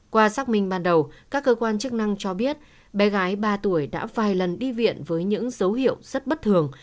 qua xác minh ban đầu các cơ quan chức năng cho biết bé gái ba tuổi đã vài lần đi viện với những dấu hiệu rất bất thường